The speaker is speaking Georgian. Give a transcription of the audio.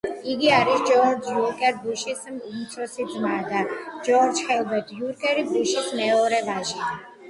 იგი არის ჯორჯ უოლკერ ბუშის უმცროსი ძმა და ჯორჯ ჰერბერტ უოლკერ ბუშის მეორე ვაჟი.